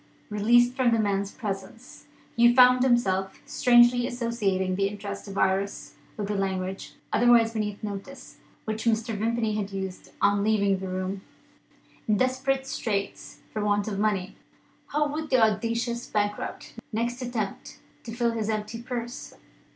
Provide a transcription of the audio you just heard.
Released from the man's presence, Hugh found himself strangely associating the interests of Iris with the language otherwise beneath notice which Mr. Vimpany had used on leaving the room. In desperate straits for want of money, how would the audacious bankrupt next attempt to fill his empty purse?